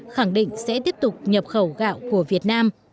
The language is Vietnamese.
khẳng định sẽ tiếp tục nhập khẩu gạo của việt nam